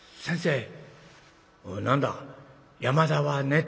先生！」。